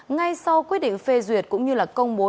ngay sau quyết định phê duyệt cũng như công bố